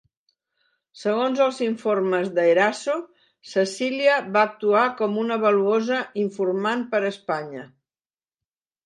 Segons els informes d'Eraso, Cecilia va actuar com una valuosa informant per a Espanya.